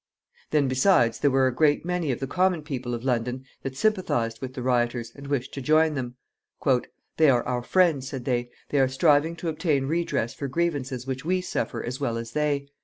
Then, besides, there were a great many of the common people of London that sympathized with the rioters, and wished to join them. "They are our friends," said they. "They are striving to obtain redress for grievances which we suffer as well as they.